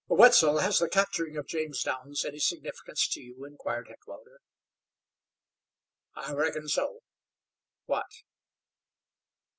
"Wetzel, has the capturing of James Downs any significance to you?" inquired Heckewelder. "I reckon so." "What?"